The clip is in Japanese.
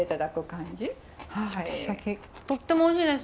とってもおいしいです！